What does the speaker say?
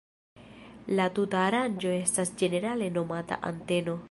La tuta aranĝo estas ĝenerale nomata anteno.